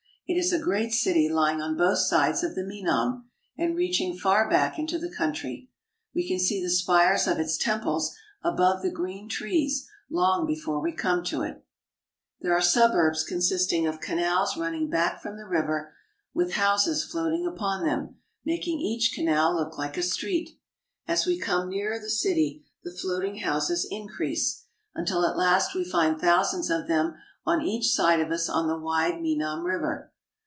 It is a great city lying on both sides of the Menam, and reaching far back into the country. We can see the spires of its temples above the green trees long before we come to it. SIAM AND THE SIAMESE 191 There are suburbs consisting of canals running back from the river, with houses floating upon them, making each canal look like a street. As we come nearer the city, the floating houses increase, until at last we find thousands of them on each side of us on the wide Menam River.